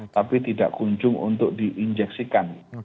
tapi tidak kunjung untuk diinjeksikan